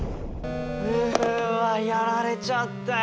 うわやられちゃったよ！